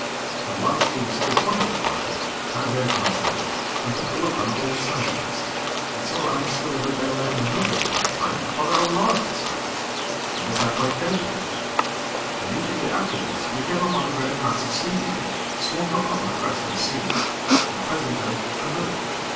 And whilst he was still pondering the matter I raised myself, and took a look on all sides of us, and so I discovered that there lay another great bank upon our larboard side, and this I pointed out to him. Immediately afterwards, we came upon a great mass of seaweed swung up on the crest of a sea, and, presently, another.